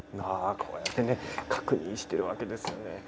こうやって確認しているわけですね。